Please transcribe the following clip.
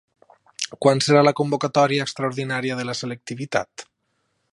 Quan serà la convocatòria extraordinària de la selectivitat?